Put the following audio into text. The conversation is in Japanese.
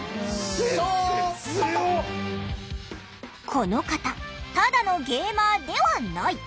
この方ただのゲーマーではない。